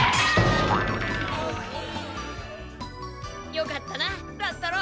よかったな乱太郎。